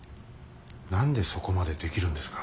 何でそこまでできるんですか？